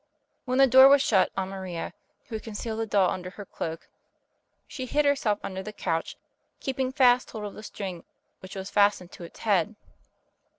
When the door was shut on Maria, who had concealed the doll under her cloak, she hid herself under the couch, keeping fast hold of the string which was fastened to its head.